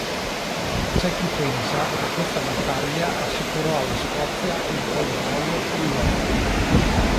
C'è chi pensa che questa battaglia assicurò alla Scozia il controllo sul Lothian.